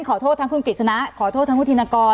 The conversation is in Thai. ขอโทษทั้งคุณกฤษณะขอโทษทั้งคุณธินกร